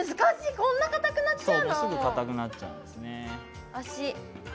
こんなかたくなっちゃうの？